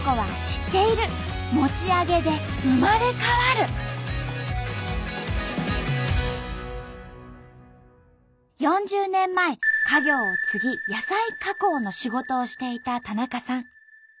すごい！４０年前家業を継ぎ野菜加工の仕事をしていた田中さん。